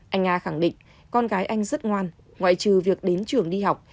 anh a khẳng định con gái anh rất ngoan ngoại trừ việc đến trường đi học